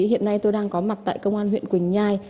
hiện nay tôi đang có mặt tại công an huyện quỳnh nhai